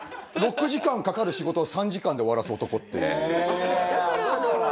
６時間かかる仕事を３時間で終わらす男っていう。